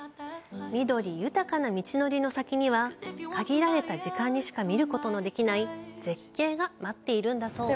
緑豊かな道のりの先には限られた時間にしか見ることのできない絶景が待っているんだそう。